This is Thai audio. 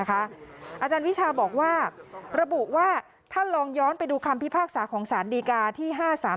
อาจารย์วิชาบอกว่าระบุว่าถ้าลองย้อนไปดูคำพิพากษาของสารดีกาที่๕๓